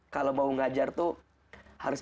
kalau mau ngajar tuh harus